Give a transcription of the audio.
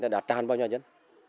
đã tràn bao nhiêu nhân